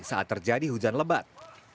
saat terjadi hujan lebat